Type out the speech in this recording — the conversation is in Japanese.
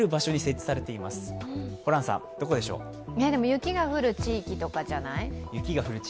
雪が降る地域とかじゃない？